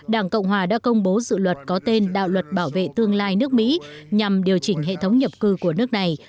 đảng cộng hòa đã công bố dự luật có tên đạo luật bảo vệ tương lai nước mỹ nhằm điều chỉnh hệ thống nhập cư của nước này